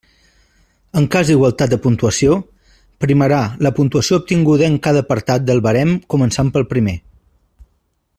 En cas d'igualtat de puntuació, primarà la puntuació obtinguda en cada apartat del barem començant pel primer.